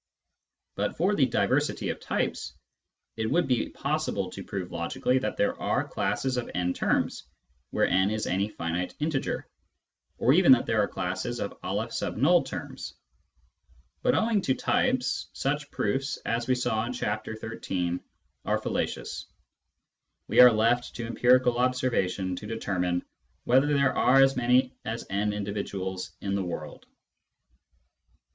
But for the diversity of types, it would be possible to prove logically that there are classes of n terms, where n is any finite integer ; or even that there are classes of N terms. But, owing to types, such proofs, as we saw in Chapter XIII., are fallacious. We are left to empirical observation to determine whether there are as many as n individuals in the world.